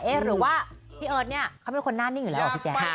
เอ๊ะหรือว่าพี่เอิร์ทนี่เขาไม่เป็นคนน่านิ่งอยู่แล้วหรอพี่แจ๊